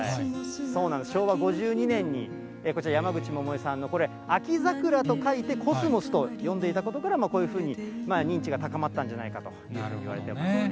そうなんです、昭和５２年にこちら、山口百恵さんのこれ、秋桜と書いて、コスモスと読んでいたことから、こういうふうに認知が高まったんじゃないかというふうにいわれているんですね。